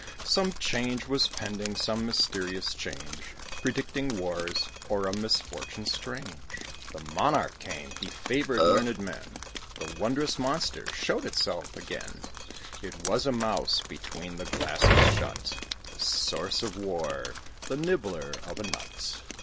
Some change was pending some mysterious change, Predicting wars, or a misfortune strange. The monarch came, he favoured learned men; The wondrous monster showed itself again: It was a mouse between the glasses shut The source of war the nibbler of a nut.